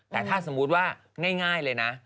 แต่ถ้าสมมุติว่าง่ายเลยนะ